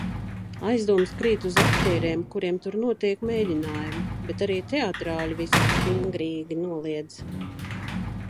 Aizdomas krīt uz aktieriem, kuriem tur notiek mēģinājumi, bet arī teatrāļi visu stingrīgi noliedz.